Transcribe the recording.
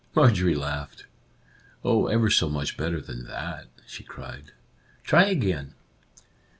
Marjorie laughed. " Oh, ever so much better than that," she cried. " Try again."